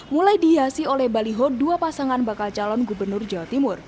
mulai dihiasi oleh baliho dua pasangan bakal calon gubernur jawa timur